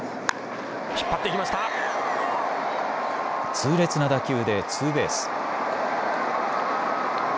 痛烈な打球でツーベース。